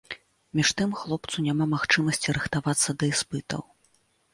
Між тым, хлопцу няма магчымасцяў рыхтавацца да іспытаў.